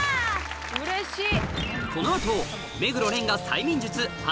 うれしい。